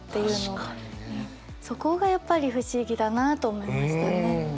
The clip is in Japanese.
そこがやっぱり不思議だなと思いましたね。